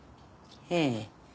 ええ。